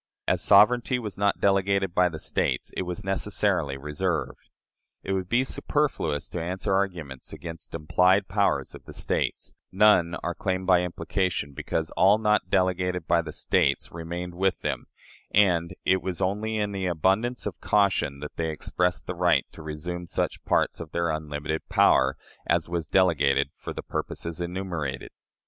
As sovereignty was not delegated by the States, it was necessarily reserved. It would be superfluous to answer arguments against implied powers of the States; none are claimed by implication, because all not delegated by the States remained with them, and it was only in an abundance of caution that they expressed the right to resume such parts of their unlimited power as was delegated for the purposes enumerated.